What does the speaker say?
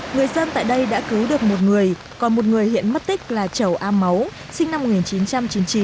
người dân tại đây đã cứu được một người còn một người hiện mất tích là chầu a máu sinh năm một nghìn chín trăm chín mươi chín